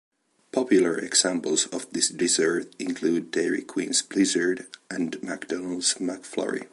Popular examples of this dessert include Dairy Queen's Blizzard and McDonald's McFlurry.